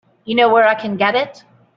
You know where I can get it?